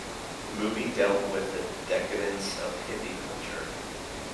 The movie dealt with the decadence of hippie culture.